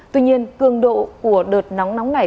tuy nhiên cường độ của đợt nóng nóng này